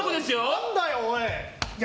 何だよ、おい！